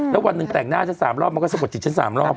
แล้ววันหนึ่งแต่งหน้าฉัน๓รอบมันก็สะกดจิตฉัน๓รอบ